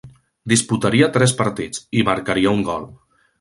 Disputaria tres partits i marcaria un gol.